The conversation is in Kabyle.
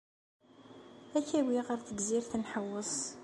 Ad k-awiɣ ɣer Tegzirt ad nḥewweṣ?